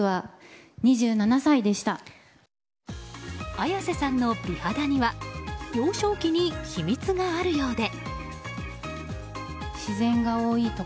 綾瀬さんの美肌には幼少期に秘密があるようで。